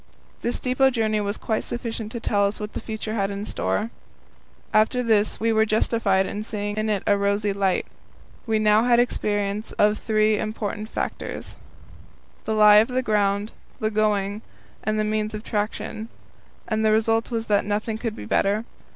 This depot journey was quite sufficient to tell us what the future had in store. After this we were justified in seeing it in a rosy light. We now had experience of the three important factors the lie of the ground, the going, and the means of traction and the result was that nothing could be better.